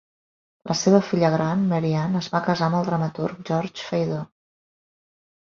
La seva filla gran, Marie-Anne, es va casar amb el dramaturg Georges Feydeau.